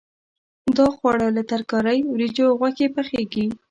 دا خواړه له ترکارۍ، وریجو او غوښې پخېږي.